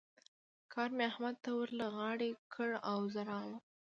کار مې احمد ته ور له غاړې کړ او زه راغلم.